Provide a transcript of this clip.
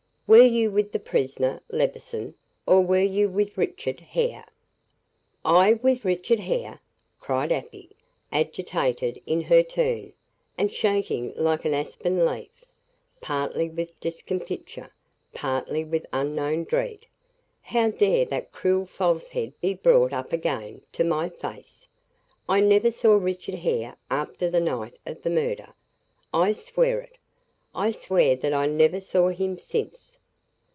"Were you with the prisoner Levison, or were you with Richard Hare?" "I with Richard Hare!" cried Afy, agitated in her turn, and shaking like an aspen leaf, partly with discomfiture, partly with unknown dread. "How dare that cruel falsehood be brought up again, to my face? I never saw Richard Hare after the night of the murder. I swear it. I swear that I never saw him since.